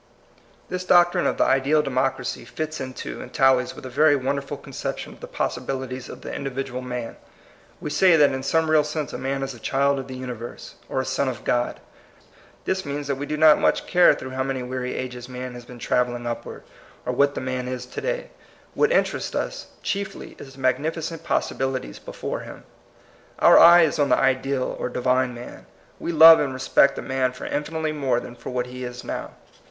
This doctrine of the ideal democracy fits into and tallies with a very wonder ful conception of the possibilities of the individual man. We say that in some real sense a man is a child of the universe, or a son of God. This means that we do not much care through how many weary ages man has been travelling upward, or what the man is to day. What inter ests us chiefly is the magnificent possi bilities before him. Our eye is on the ideal or divine man. We love and respect a man for infinitely more than for what he is now.